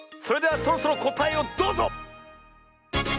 それではそろそろこたえをどうぞ！